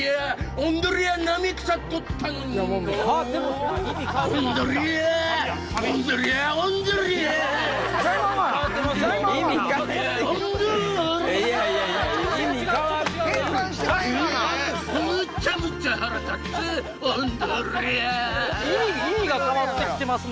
オンドリャ意味が変わってきてますね。